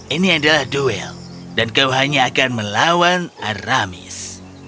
ini adalah duel dan kau hanya akan melawan aramis